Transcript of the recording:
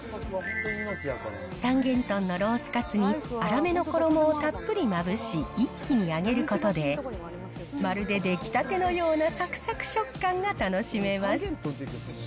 三元豚のロースカツに、粗めの衣をたっぷりまぶし、一気に揚げることで、まるで出来立てのようなさくさく食感が楽しめます。